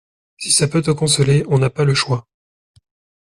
Si ça peut te consoler, on n'a pas le choix.